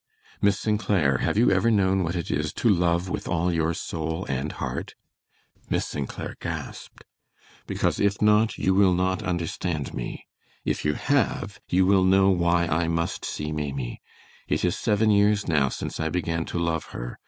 "Miss St. Clair, have you ever known what it is to love with all your soul and heart?" Miss St. Clair gasped. "Because if not, you will not understand me; if you have you will know why I must see Maimie. It is seven years now since I began to love her.